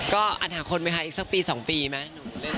ก็อ่านหาคนไหมคะอีกสักปี๒ปีไหม